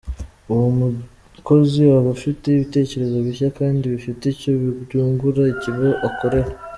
Uwo mukozi aba afite ibitekerezo bishya kandi bifite icyo byungura ikigo akorera.